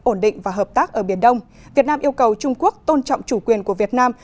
ổn định và hợp tác ở biển đông việt nam yêu cầu trung quốc tôn trọng chủ quyền của việt nam